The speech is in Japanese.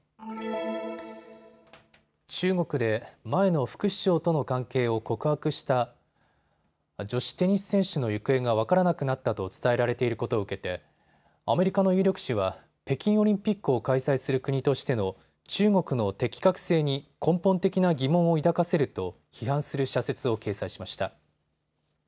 中国で前の副首相との関係を告白した女子テニス選手の行方が分からなくなったと伝えられていることを受けてアメリカの有力紙は北京オリンピックを開催する国としての中国の適格性に根本的な疑問を抱かせると批判する社説を掲載しました。